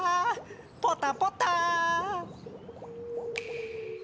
ポタポタ。